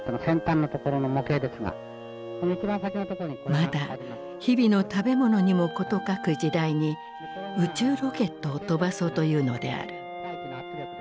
まだ日々の食べ物にも事欠く時代に宇宙ロケットを飛ばそうというのである。